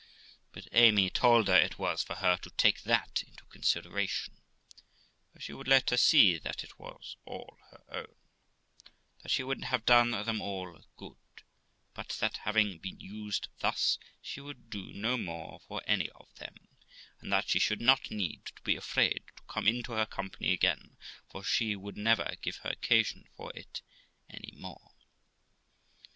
But Amy told her it was for her to take that into consideration; for she would let her see that it was all her own; that she would have done them all good, but that, having been used thus, she would do no more for any of them; and that she should not need to be afraid to come into her company again, for she would never give her occasion for it any more.